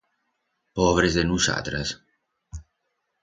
Pobres de nusatras!